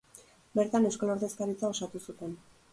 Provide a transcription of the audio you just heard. Bertan Euskal Ordezkaritza osatu zuten.